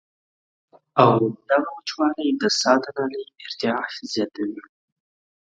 او دغه وچوالی د ساه د نالۍ ارتعاش زياتوي